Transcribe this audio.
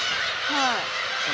はい。